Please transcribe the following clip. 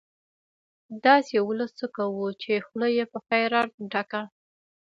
داسې ولس څه کوو، چې خوله يې په خيرات ډکه